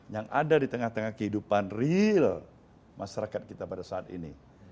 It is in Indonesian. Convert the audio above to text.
yang ada di tengah tengah kehidupan real masyarakat kita pada saat ini